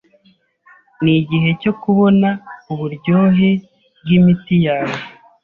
Nigihe cyo kubona uburyohe bwimiti yawe.